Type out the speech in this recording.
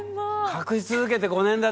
隠し続けて５年だって。